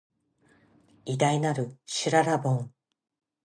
偉大なる、しゅららぼん